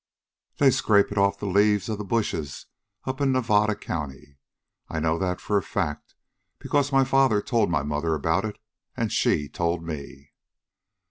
They scrape it off of the leaves of the bushes up in Nevada County. I know that for a fact, because my father told my mother about it, and she told me."